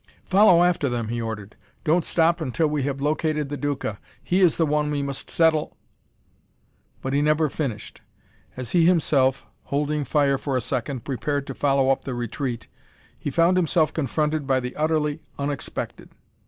"Follow after them!" he ordered. "Don't stop until we have located the Duca. He is the one we must settle "But he never finished. As he himself, holding fire for a second, prepared to follow up the retreat, he found himself confronted by the utterly unexpected.